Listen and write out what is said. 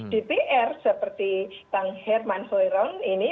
dpr seperti bang herman hoiron ini